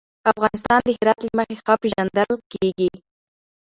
افغانستان د هرات له مخې ښه پېژندل کېږي.